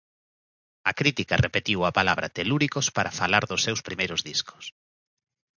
A crítica repetiu a palabra telúricos para falar dos seus primeiros discos.